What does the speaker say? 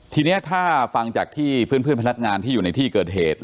ทีนี้ถ้าฟังจากที่เพื่อนพนักงานที่อยู่ในที่เกิดเหตุ